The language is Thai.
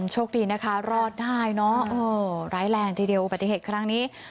โชคดีนะคะรอดได้เนอะร้ายแรงทีเดียวอุบัติเหตุครั้งนี้